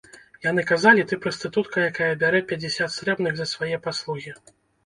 Яны казалі, ты — прастытутка, якая бярэ пяцьдзясят срэбных за свае паслугі.